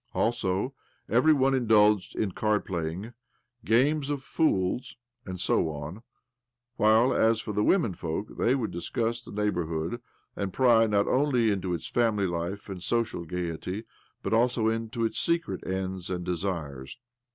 Also, every one indulged in card playing, games of " fools," and so forth ; while, as for the women folk, they would discuss the neighbourhood, and pry not only into its family life and social gaiety, but also into its secret ends and desires.